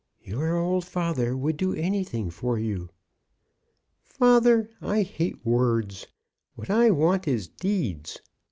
"Your old father would do anything for you." "Father, I hate words! What I want is deeds.